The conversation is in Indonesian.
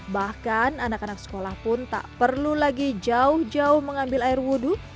bahkan anak anak sekolah pun tak perlu lagi jauh jauh mengambil air wudhu